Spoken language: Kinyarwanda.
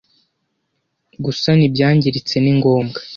gusana ibyangiritse ni ngombwa